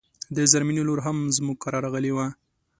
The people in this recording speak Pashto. د زرمينې لور هم زموږ کره راغلی و